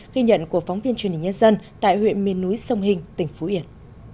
ghi nhận của phóng viên truyền hình nhân dân tại huyện miền núi sông hình tỉnh phú yên